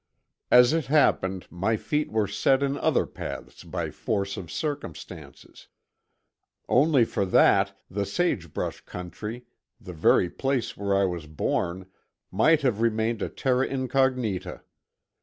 As it happened, my feet were set in other paths by force of circumstances. Only for that the sage brush country, the very place where I was born might have remained a terra incognita.